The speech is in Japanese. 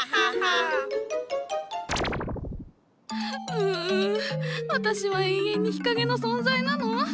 うう私は永遠に日陰の存在なの？